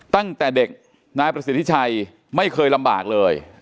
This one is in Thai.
ตั้งแต่เด็กนายประสิทธิชัยไม่เคยลำบากเลย